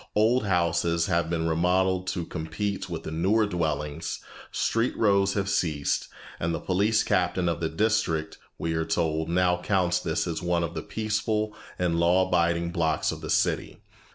Old houses have been remodelled to compete with the newer dwellings, street rows have ceased, and the police captain of the district, we are told, now counts this as one of the peaceful and law abiding blocks of the city.